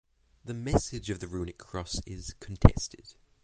The message of the runic cross is contested.